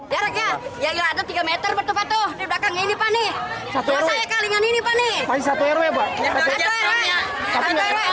di belakangnya ini pak nih saya kali dengan ini pak nih